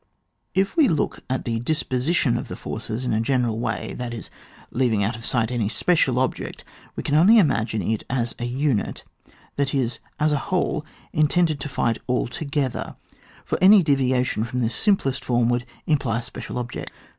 If we look at the disposition of the forces in a general way, that is, leaving out of sight any special object, we can only imagine it as a unit, that is, as a whole, intended to fight all together, for any deviation from this simplest form would imply a special object.